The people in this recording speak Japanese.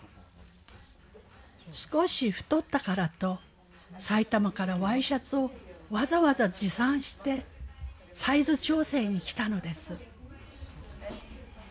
少し太ったからと埼玉からワイシャツをわざわざ持参してサイズ調整に来たのです。